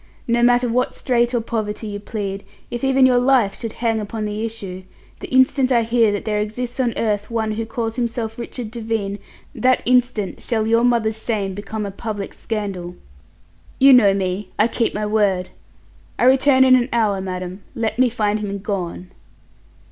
No matter what strait or poverty you plead if even your life should hang upon the issue the instant I hear that there exists on earth one who calls himself Richard Devine, that instant shall your mother's shame become a public scandal. You know me. I keep my word. I return in an hour, madam; let me find him gone."